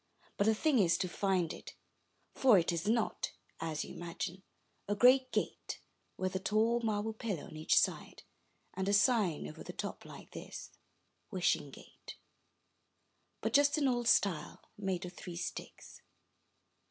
But the thing is to find it; for it is not, as you imagine, a great gate with a tall marble pillar on each side and a sign over the top, like this, WISHING GATE— but just an old stile, made of three sticks.